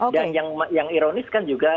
dan yang ironis kan juga